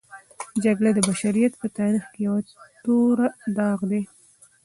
جګړه د بشریت په تاریخ کې یوه توره داغ دی.